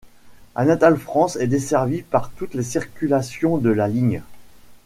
Anatole France est desservie par toutes les circulations de la ligne.